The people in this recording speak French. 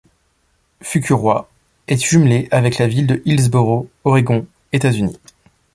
Fukuroi est jumelée avec la ville de Hillsboro, Oregon, États-Unis.